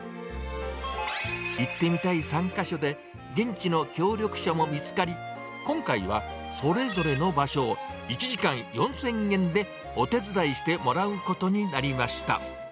行ってみたい３か所で、現地の協力者も見つかり、今回は、それぞれの場所を１時間４０００円でお手伝いしてもらうことになりました。